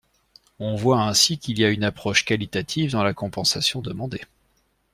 On voit ainsi qu’il y a une approche qualitative dans la compensation demandée.